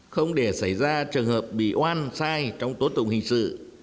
không để xảy ra trường hợp bị oan sai trong tố tụng hình sự